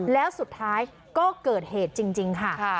แล้วสุดท้ายก็เกิดเหตุจริงค่ะ